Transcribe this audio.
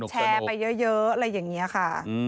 แชร์ไปเยอะอะไรอย่างนี้ค่ะ